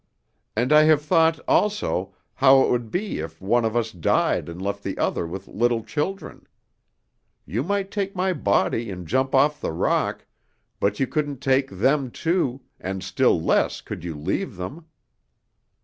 And I have thought, also, how it would be if one of us died and left the other with little children. You might take my body and jump off the rock, but you couldn't take them too, and still less could you leave them."